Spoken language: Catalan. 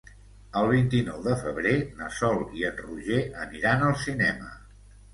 El vint-i-nou de febrer na Sol i en Roger aniran al cinema.